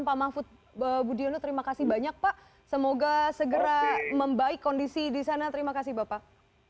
pak mahfud budiono terima kasih banyak pak semoga segera membaik kondisi di sana terima kasih bapak